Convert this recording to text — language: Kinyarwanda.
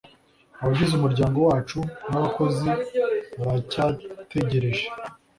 abagize umuryango wacu n’abakozi baracyategereje